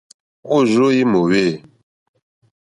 Wôrzô í mòwê.